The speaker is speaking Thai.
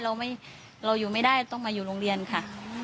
เราอยู่ไม่ได้ต้องมาอยู่โรงเรียนค่ะ